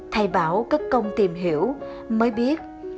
thầy bảo cất công tìm hiểu mới biết